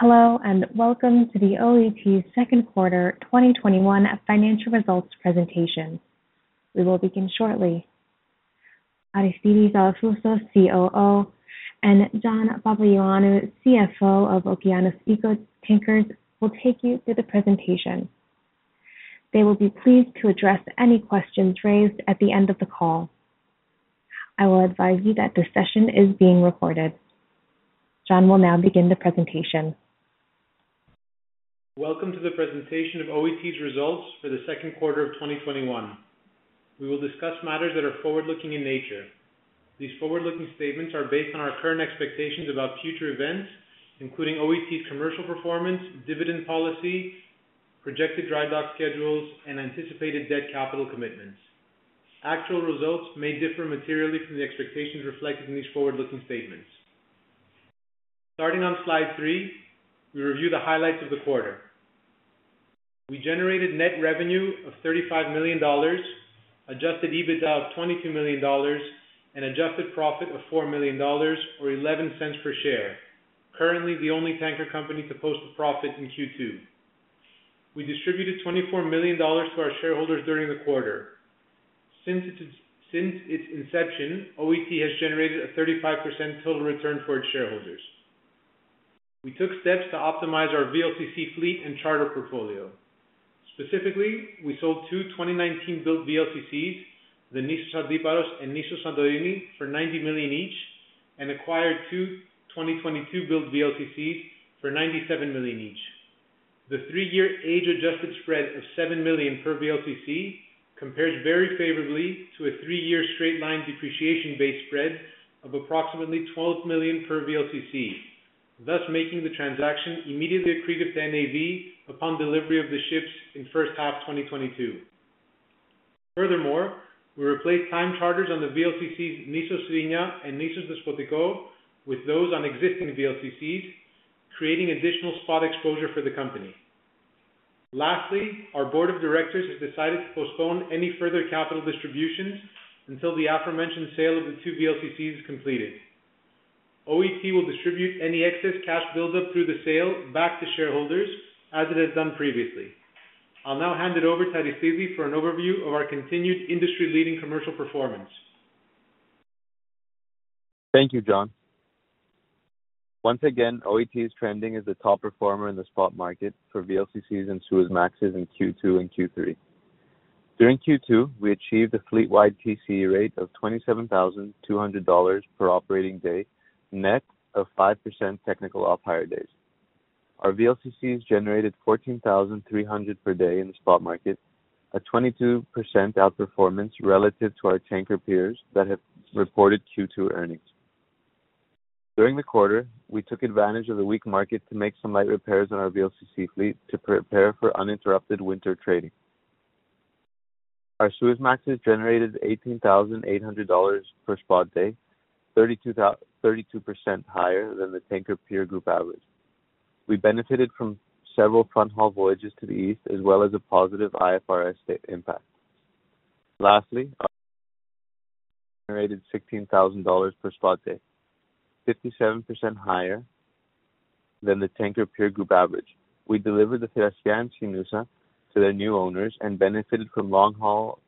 Hello, and welcome to the OET second quarter 2021 financial results presentation. We will begin shortly. Aristidis Alafouzos, COO, and John Papaioannou, CFO of Okeanis Eco Tankers, will take you through the presentation. They will be pleased to address any questions raised at the end of the call. I will advise you that this session is being recorded. John will now begin the presentation. Welcome to the presentation of OET's results for the second quarter of 2021. We will discuss matters that are forward-looking in nature. These forward-looking statements are based on our current expectations about future events, including OET's commercial performance, dividend policy, projected dry dock schedules, and anticipated debt capital commitments. Actual results may differ materially from the expectations reflected in these forward-looking statements. Starting on slide three, we review the highlights of the quarter. We generated net revenue of $35 million, adjusted EBITDA of $22 million, and adjusted profit of $4 million or $0.11 per share. Currently, the only tanker company to post a profit in Q2. We distributed $24 million to our shareholders during the quarter. Since its inception, OET has generated a 35% total return for its shareholders. We took steps to optimize our VLCC fleet and charter portfolio. Specifically, we sold two 2019-built VLCCs, the Nissos Antiparos and Nissos Santorini, for $90 million each, and acquired two 2022-built VLCCs for $97 million each. The three-year age-adjusted spread of $7 million per VLCC compares very favorably to a three-year straight-line depreciation base spread of approximately $12 million per VLCC, thus making the transaction immediately accretive to NAV upon delivery of the ships in the first half of 2022. Furthermore, we replaced time charters on the VLCCs Nisos Sirina and Nissos Despotiko with those on existing VLCCs, creating additional spot exposure for the company. Lastly, our board of directors has decided to postpone any further capital distributions until the aforementioned sale of the two VLCCs is completed. OET will distribute any excess cash buildup through the sale back to shareholders as it has done previously. I'll now hand it over to Aristidis Alafouzos for an overview of our continued industry-leading commercial performance. Thank you, John. Once again, OET is trending as a top performer in the spot market for VLCCs and Suezmaxes in Q2 and Q3. During Q2, we achieved a fleet-wide TCE rate of $27,200 per operating day, net of 5% technical off-hire days. Our VLCCs generated $14,300 per day in the spot market, a 22% outperformance relative to our tanker peers that have reported Q2 earnings. During the quarter, we took advantage of the weak market to make some light repairs on our VLCC fleet to prepare for uninterrupted winter trading. Our Suezmaxes generated $18,800 per spot day, 32% higher than the tanker peer group average. We benefited from several front haul voyages to the East, as well as a positive IFRS impact. Lastly, our generated $16,000 per spot day, 57% higher than the tanker peer group average. We delivered the Nissos Therassia and Nissos Schinoussa to their new owners and benefited from long haul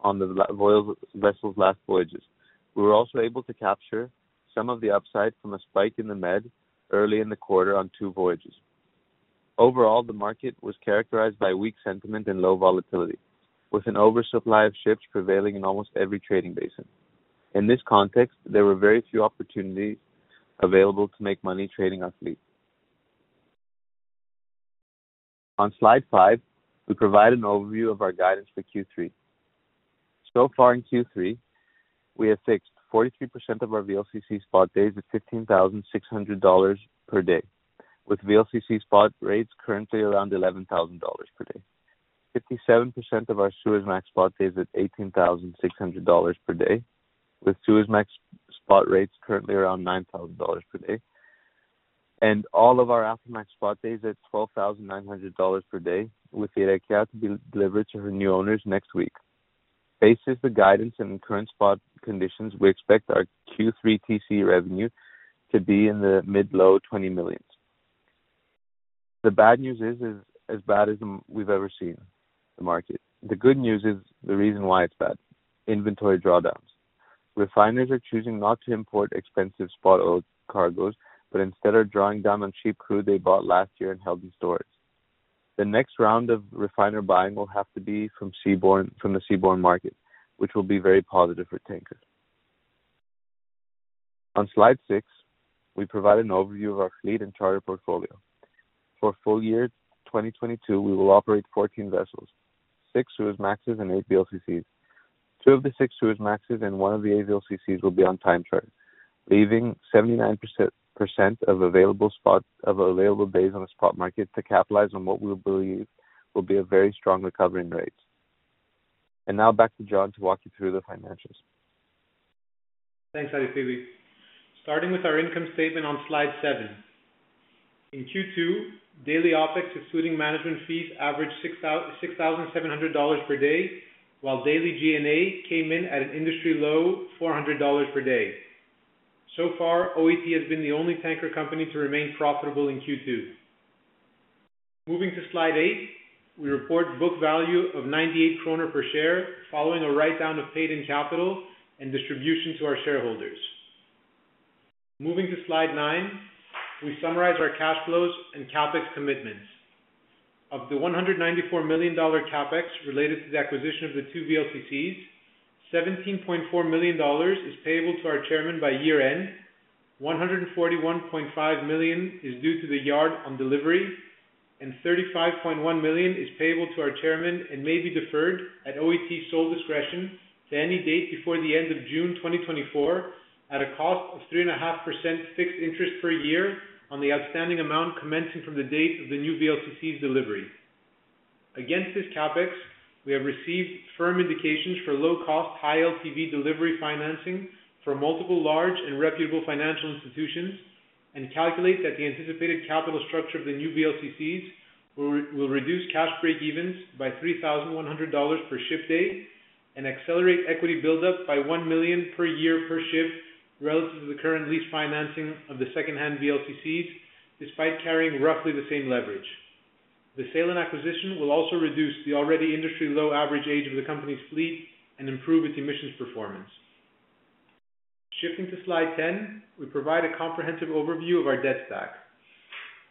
on the vessel's last voyages. We were also able to capture some of the upside from a spike in the Med early in the quarter on two voyages. Overall, the market was characterized by weak sentiment and low volatility, with an oversupply of ships prevailing in almost every trading basin. In this context, there were very few opportunities available to make money trading our fleet. On slide five, we provide an overview of our guidance for Q3. So far in Q3, we have fixed 43% of our VLCC spot days at $15,600 per day, with VLCC spot rates currently around $11,000 per day. 57% of our Suezmax spot days at $18,600 per day, with Suezmax spot rates currently around $9,000 per day. All of our Aframax spot days at $12,900 per day, with the Lyrakia to be delivered to her new owners next week. Based the guidance and current spot conditions, we expect our Q3 TCE revenue to be in the mid-low $20 million. The bad news is as bad as we've ever seen the market. The good news is the reason why it's bad. Inventory drawdowns. Refiners are choosing not to import expensive spot oil cargoes, but instead are drawing down on cheap crude they bought last year and held in storage. The next round of refiner buying will have to be from the seaborne market, which will be very positive for tankers. On slide six, we provide an overview of our fleet and charter portfolio. For full year 2022, we will operate 14 vessels, six Suezmaxes and eight VLCCs. two of the six Suezmaxes and one of the eight VLCCs will be on time charter, leaving 79% of available days on the spot market to capitalize on what we believe will be a very strong recovery in rates. Now back to John to walk you through the financials. Thanks, Aristidis. Starting with our income statement on slide eight. In Q2, daily OpEx excluding management fees averaged $6,700 per day, while daily G&A came in at an industry low $400 per day. So far, OET has been the only tanker company to remain profitable in Q2. Moving to slide eight, we report book value of 98 kroner per share, following a write-down of paid-in capital and distribution to our shareholders. Moving to slide nine, we summarize our cash flows and CapEx commitments. Of the $194 million CapEx related to the acquisition of the two VLCCs, $17.4 million is payable to our Chairman by year-end, $141.5 million is due to the yard on delivery, and $35.1 million is payable to our Chairman and may be deferred at OET sole discretion to any date before the end of June 2024 at a cost of 3.5% fixed interest per year on the outstanding amount commencing from the date of the new VLCC's delivery. Against this CapEx, we have received firm indications for low cost, high LTV delivery financing from multiple large and reputable financial institutions and calculate that the anticipated capital structure of the new VLCCs will reduce cash breakevens by $3,100 per ship day and accelerate equity buildup by $1 million per year per ship relative to the current lease financing of the secondhand VLCCs, despite carrying roughly the same leverage. The sale and acquisition will also reduce the already industry low average age of the company's fleet and improve its emissions performance. Shifting to slide 10, we provide a comprehensive overview of our debt stack.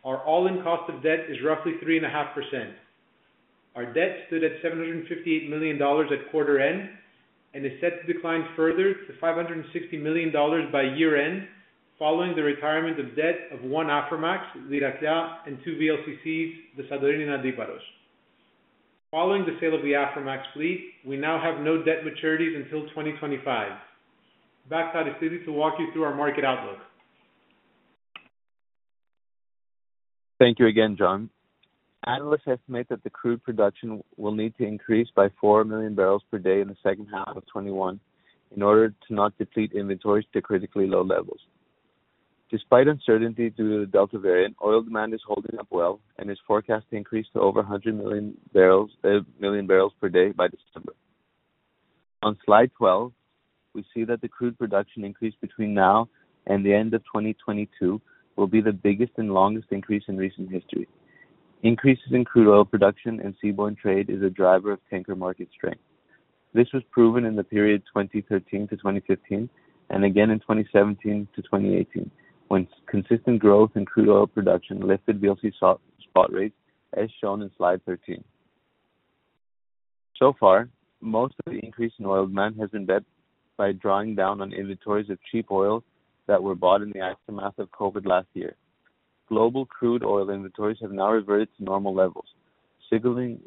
Our all-in cost of debt is roughly 3.5%. Our debt stood at $758 million at quarter end and is set to decline further to $560 million by year-end, following the retirement of debt of one Aframax, Lyrakia, and two VLCCs, the Sardiniah and Antiparos. Following the sale of the Aframax fleet, we now have no debt maturities until 2025. Back to Aristidis to walk you through our market outlook. Thank you again, John. Analysts estimate that the crude production will need to increase by four million barrels per day in the second half of 2021 in order to not deplete inventories to critically low levels. Despite uncertainty due to the Delta variant, oil demand is holding up well and is forecast to increase to over 100 million barrels per day by December. On slide 12, we see that the crude production increase between now and the end of 2022 will be the biggest and longest increase in recent history. Increases in crude oil production and seaborne trade is a driver of tanker market strength. This was proven in the period 2013-2015, and again in 2017-2018, when consistent growth in crude oil production lifted VLCC spot rates as shown in slide 13. So far, most of the increase in oil demand has been met by drawing down on inventories of cheap oil that were bought in the aftermath of COVID last year. Global crude oil inventories have now reverted to normal levels, signaling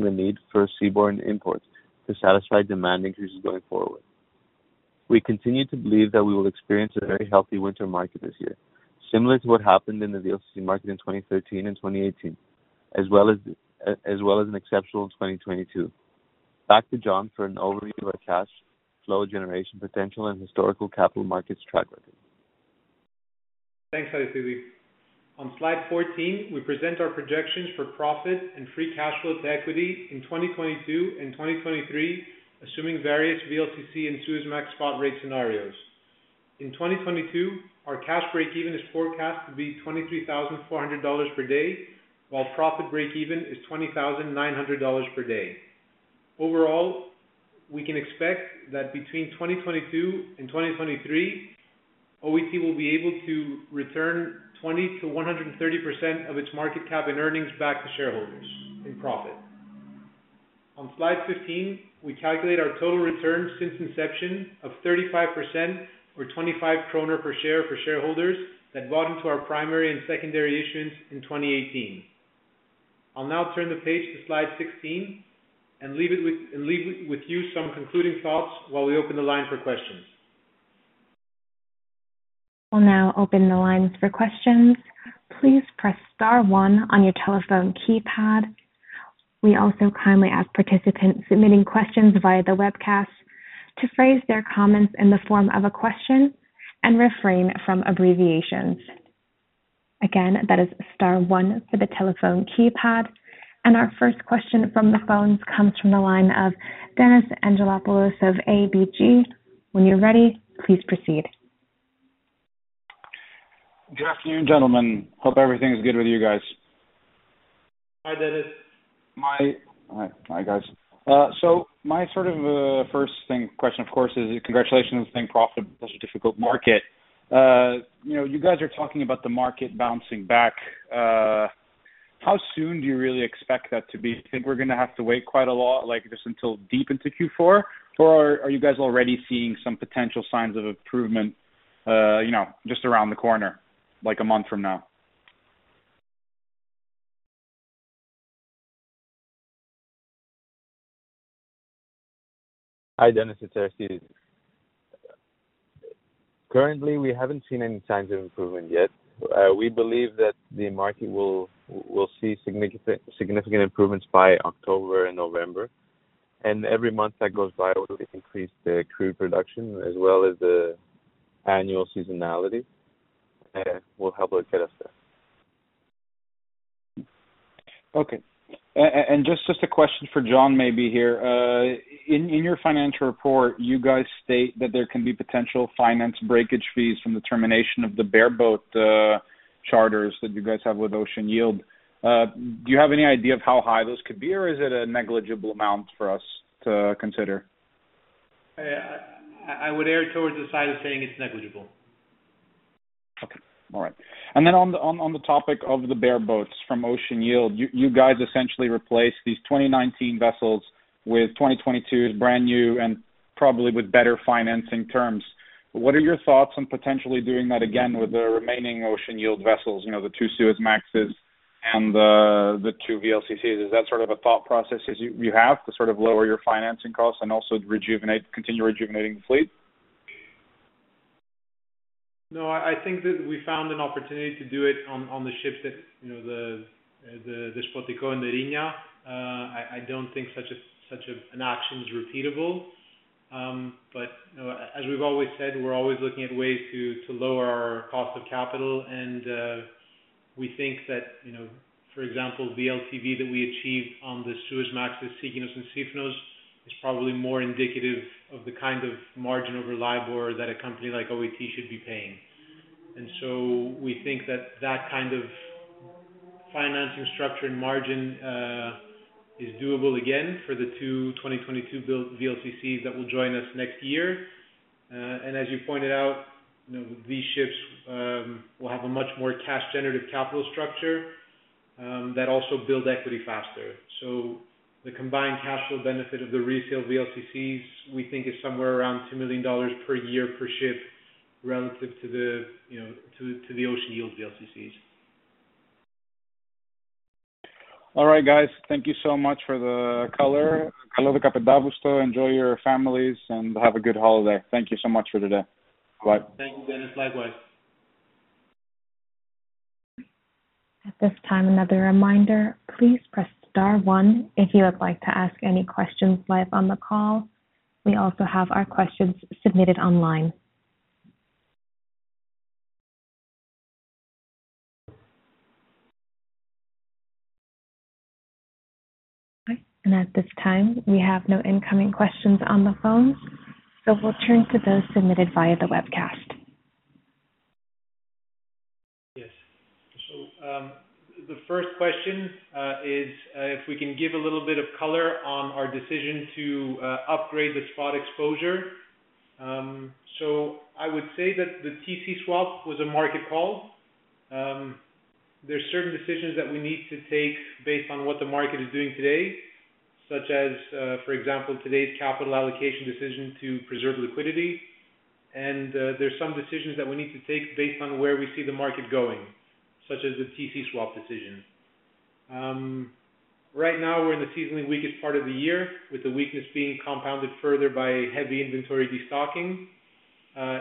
the need for seaborne imports to satisfy demand increases going forward. We continue to believe that we will experience a very healthy winter market this year. Similar to what happened in the VLCC market in 2013 and 2018, as well as an exceptional 2022. Back to John for an overview of our cash flow generation potential and historical capital markets track record. Thanks, Aristidis. On slide 14, we present our projections for profit and free cash flow to equity in 2022 and 2023, assuming various VLCC and Suezmax spot rate scenarios. In 2022, our cash breakeven is forecast to be $23,400 per day, while profit breakeven is $20,900 per day. Overall, we can expect that between 2022 and 2023 OET will be able to return 20%-130% of its market cap in earnings back to shareholders in profit. On slide 15, we calculate our total return since inception of 35% or 25 kroner per share for shareholders that bought into our primary and secondary issuance in 2018. I'll now turn the page to slide 16 and leave with you some concluding thoughts while we open the line for questions. We'll now open the lines for questions. Please press star one on your telephone keypad. We also kindly ask participants submitting questions via the webcast to phrase their comments in the form of a question and refrain from abbreviations. Again, that is star one for the telephone keypad. And our first question from the phones comes from the line of Dennis Anghelopoulos of ABG. When you're ready, please proceed. Good afternoon, gentlemen. Hope everything is good with you guys. Hi, Dennis. Hi, guys. My first question, of course, is congratulations on staying profitable in such a difficult market. You guys are talking about the market bouncing back. How soon do you really expect that to be? Do you think we're going to have to wait quite a lot, like just until deep into Q4? Are you guys already seeing some potential signs of improvement just around the corner, like a month from now? Hi, Dennis. It's Aristidis. Currently, we haven't seen any signs of improvement yet. We believe that the market will see significant improvements by October and November, and every month that goes by will increase the crude production as well as the annual seasonality, and will help get us there. Okay. Just a question for John maybe here. In your financial report, you guys state that there can be potential finance breakage fees from the termination of the bareboat charters that you guys have with Ocean Yield. Do you have any idea of how high those could be, or is it a negligible amount for us to consider? I would err towards the side of saying it's negligible. Okay. All right. On the topic of the bareboats from Ocean Yield, you guys essentially replaced these 2019 vessels with 2022's brand new and probably with better financing terms. What are your thoughts on potentially doing that again with the remaining Ocean Yield vessels, the two Suezmaxes and the two VLCCs? Is that sort of a thought process you have to sort of lower your financing costs and also continue rejuvenating the fleet? I think that we found an opportunity to do it on the ships that, Despotiko and Heraclea. I don't think such an action is repeatable. As we've always said, we're always looking at ways to lower our cost of capital, and we think that, for example, VLCC that we achieved on the Suezmaxes, Sikinos and Sifnos, is probably more indicative of the kind of margin over LIBOR that a company like OET should be paying. We think that that kind of financing structure and margin is doable again for the two 2022 VLCCs that will join us next year. As you pointed out, these ships will have a much more cash-generative capital structure that also build equity faster. The combined cash flow benefit of the resale VLCCs, we think is somewhere around $2 million per year per ship relative to the Ocean Yield VLCCs. All right, guys, thank you so much for the color. Enjoy your families and have a good holiday. Thank you so much for today. Bye. Thank you, Dennis. Likewise. At this time, another reminder, please press star one if you would like to ask any questions live on the call. We also have our questions submitted online. Okay, at this time, we have no incoming questions on the phone, so we'll turn to those submitted via the webcast. Yes. The first question is if we can give a little bit of color on our decision to upgrade the spot exposure. I would say that the TC swap was a market call. There is certain decisions that we need to take based on what the market is doing today, such as, for example, today's capital allocation decision to preserve liquidity, and there is some decisions that we need to take based on where we see the market going, such as the TC swap decision. Right now, we are in the seasonally weakest part of the year, with the weakness being compounded further by heavy inventory destocking.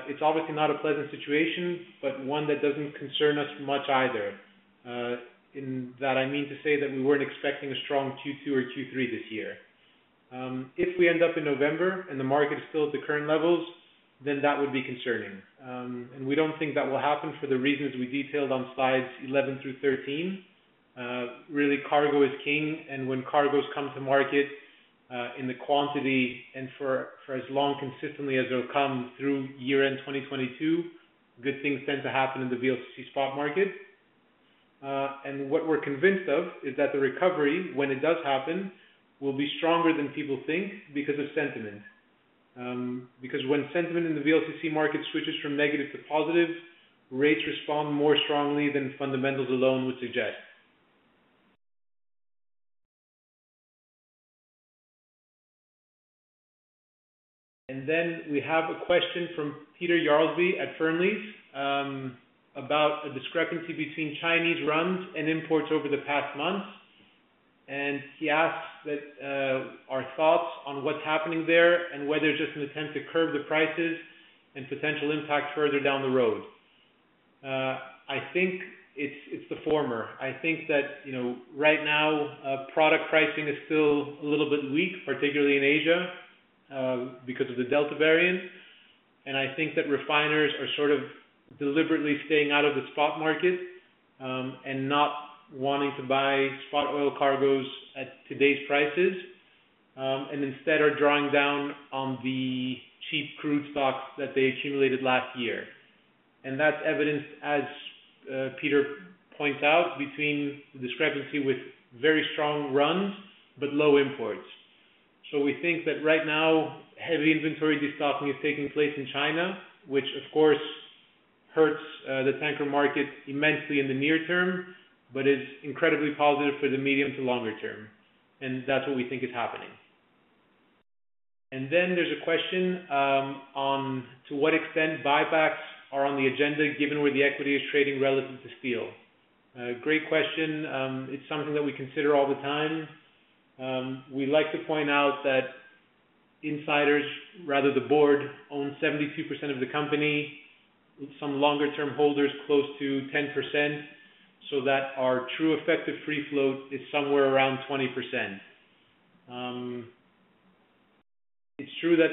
It is obviously not a pleasant situation, but one that does not concern us much either. In that, I mean to say that we were not expecting a strong Q2 or Q3 this year. If we end up in November and the market is still at the current levels, then that would be concerning. We don't think that will happen for the reasons we detailed on slides 11 through 13. Really, cargo is king, and when cargoes come to market in the quantity and for as long consistently as it'll come through year-end 2022, good things tend to happen in the VLCC spot market. What we're convinced of is that the recovery, when it does happen, will be stronger than people think because of sentiment. Because when sentiment in the VLCC market switches from negative to positive, rates respond more strongly than fundamentals alone would suggest. Then we have a question from Peder Jarlsby at Fearnley Securities, about a discrepancy between Chinese runs and imports over the past month. He asks our thoughts on what's happening there, and whether it's just an attempt to curb the prices and potential impact further down the road. I think it's the former. I think that right now, product pricing is still a little bit weak, particularly in Asia, because of the Delta variant. I think that refiners are sort of deliberately staying out of the spot market, and not wanting to buy spot oil cargoes at today's prices. Instead are drawing down on the cheap crude stocks that they accumulated last year. That's evidenced, as Peter points out, between the discrepancy with very strong runs, but low imports. We think that right now, heavy inventory destocking is taking place in China, which, of course, hurts the tanker market immensely in the near term, but is incredibly positive for the medium to longer term. That's what we think is happening. There's a question on to what extent buybacks are on the agenda given where the equity is trading relative to steel. Great question. It's something that we consider all the time. We like to point out that insiders, rather the board, own 72% of the company, with some longer-term holders close to 10%, so that our true effective free float is somewhere around 20%. It's true that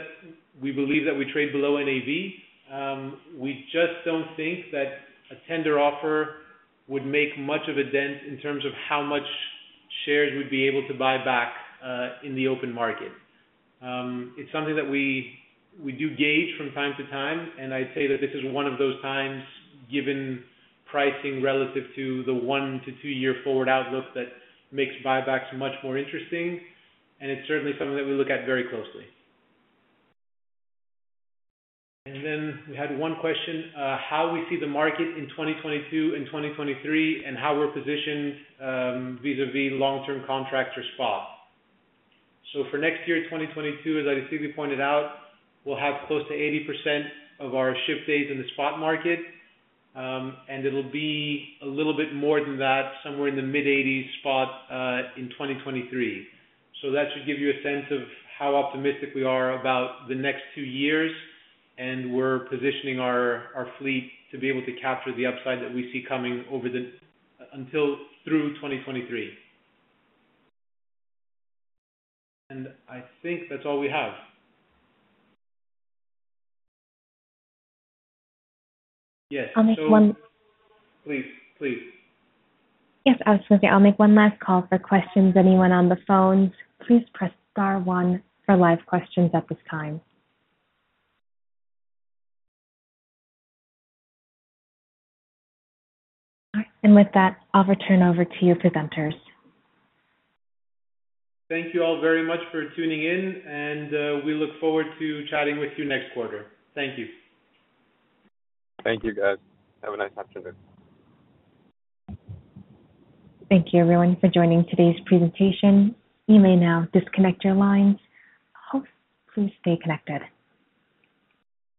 we believe that we trade below NAV. We just don't think that a tender offer would make much of a dent in terms of how much shares we'd be able to buy back, in the open market. It's something that we do gauge from time to time, I'd say that this is one of those times, given pricing relative to the one to two year forward outlook that makes buybacks much more interesting. It's certainly something that we look at very closely. We had one question, how we see the market in 2022 and 2023 and how we're positioned vis-a-vis long-term contracts or spot. For next year, 2022, as Aristidis Alafouzos pointed out, we'll have close to 80% of our ship dates in the spot market. It'll be a little bit more than that, somewhere in the mid-80s spot, in 2023. That should give you a sense of how optimistic we are about the next two years, and we're positioning our fleet to be able to capture the upside that we see coming through 2023. I think that's all we have. Yes. I'll make. Please. Yes, absolutely. I'll make one last call for questions. Anyone on the phone, please press star one for live questions at this time. All right, with that, I'll return over to you, presenters. Thank you all very much for tuning in, and we look forward to chatting with you next quarter. Thank you. Thank you, guys. Have a nice afternoon. Thank you everyone for joining today's presentation. You may now disconnect your lines. Hosts, please stay connected.